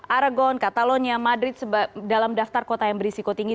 aragon katalonia madrid dalam daftar kota yang berisiko tinggi